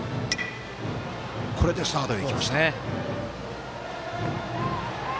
これでサードへ行きました。